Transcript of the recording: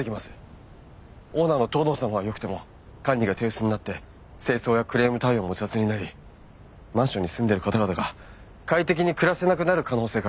オーナーの藤堂さんはよくても管理が手薄になって清掃やクレーム対応も雑になりマンションに住んでる方々が快適に暮らせなくなる可能性があります。